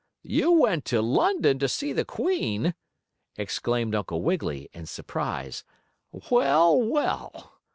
"You went to London to see the Queen!" exclaimed Uncle Wiggily, in surprise. "Well, well!